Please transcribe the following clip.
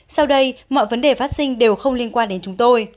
sau đây mọi vấn đề phát sinh đều không liên quan đến chúng tôi